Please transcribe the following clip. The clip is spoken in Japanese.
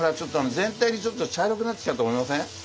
全体にちょっと茶色くなってきたと思いません？